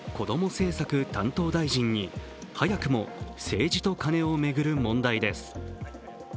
政策担当大臣に早くも政治とカネを巡る問題です。